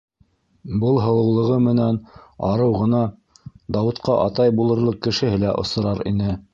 Был һылыулығы менән арыу ғына, Дауытҡа атай булырлыҡ кешеһе лә осрар ине...